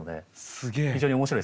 すげえ。